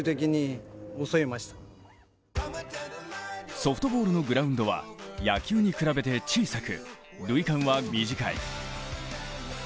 ソフトボールのグラウンドは野球に比べて小さく、塁間は短い。